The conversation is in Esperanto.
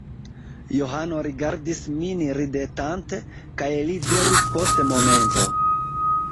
Johano rigardis min ridetante, kaj li diris post momento: